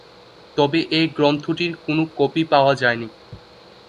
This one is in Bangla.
তবে এ গ্রন্থটির কোন কপি পাওয়া যায়নি।